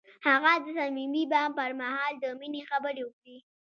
هغه د صمیمي بام پر مهال د مینې خبرې وکړې.